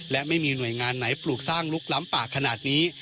และไม่มีหน่วยงานไหนปลูกสร้างลุกล้ำป่าขนาดนี้